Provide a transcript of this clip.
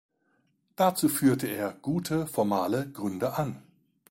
Dazu führt er gute formale Gründe an.